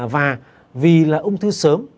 và vì là ung thư sớm